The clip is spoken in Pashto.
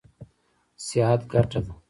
صحت ګټه ده.